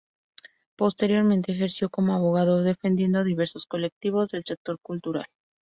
Posteriormente ejerció como abogado defendiendo diversos colectivos del sector cultural.